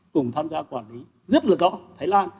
cùng tham gia quản lý rất là rõ thái lan